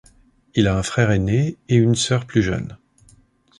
Il a un frère aîné et une sœur plus jeune.